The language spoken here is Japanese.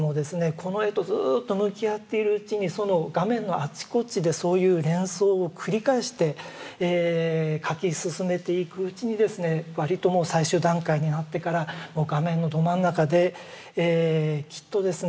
この絵とずっと向き合っているうちにその画面のあちこちでそういう連想を繰り返して描き進めていくうちにですね割ともう最終段階になってから画面のど真ん中できっとですね